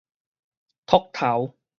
戳頭